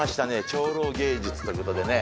「超老芸術」ということでね。